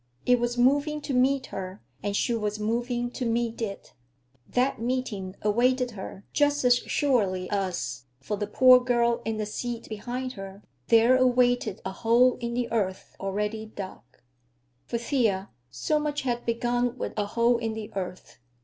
It was moving to meet her and she was moving to meet it. That meeting awaited her, just as surely as, for the poor girl in the seat behind her, there awaited a hole in the earth, already dug. For Thea, so much had begun with a hole in the earth.